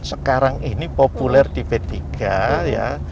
sekarang ini populer di p tiga ya